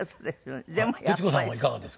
徹子さんはいかがですか？